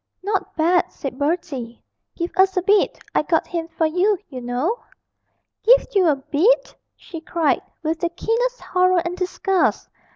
'Not bad,' said Bertie; 'give us a bit I got him for you, you know.' 'Give you a bit!' she cried, with the keenest horror and disgust.